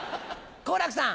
好楽さん。